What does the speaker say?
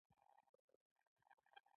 د ځنګلونو شنه پاڼې د قدرت تازه والی ښيي.